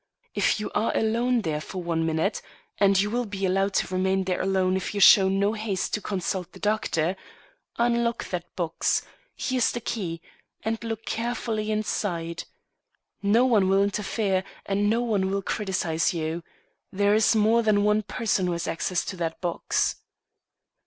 If you are alone there for one minute (and you will be allowed to remain there alone if you show no haste to consult the doctor) unlock that box here is the key and look carefully inside. No one will interfere and no one will criticize you; there is more than one person who has access to that box."